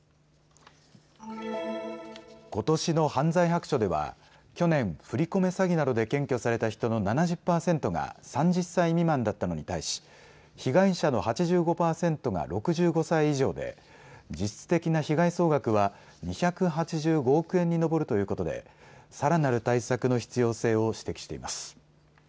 ことしの犯罪白書では去年、振り込め詐欺などで検挙された人の７０％が３０歳未満だったのに対し被害者の８５％が６５歳以上で実質的な被害総額は２８５億円に上るということでさらなる対策の必要性を指摘しています。